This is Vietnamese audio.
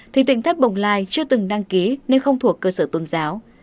thì tỉnh thất bồng lai chưa từng đăng ký nên không thuộc cơ sở tôn giáo